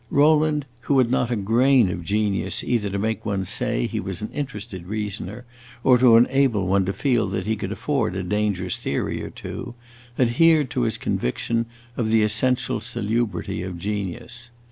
Rowland, who had not a grain of genius either to make one say he was an interested reasoner, or to enable one to feel that he could afford a dangerous theory or two, adhered to his conviction of the essential salubrity of genius.